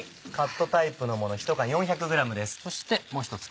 そしてもう一つ